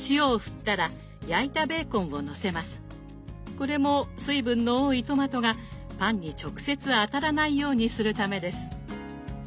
これも水分の多いトマトがパンに直接当たらないようにするためです。